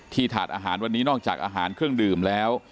ที่ถาดอาหารนอกจากอาหารเครื่องดื่มแล้ว